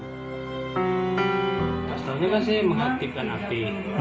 pastinya masih mengaktifkan api